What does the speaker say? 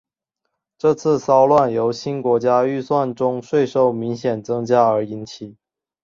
这次骚乱由新国家预算中税收明显增加而引起。